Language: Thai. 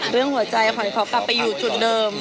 เรื่องหัวใจขวัญขอกลับไปอยู่จุดเดิม